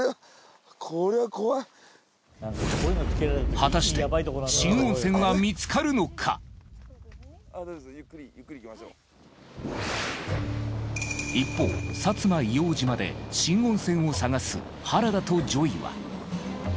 果たして一方薩摩硫黄島で新温泉を探す原田とＪＯＹは。